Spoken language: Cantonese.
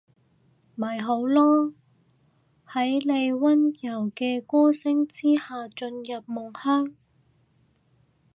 咪好囉，喺你溫柔嘅歌聲之下進入夢鄉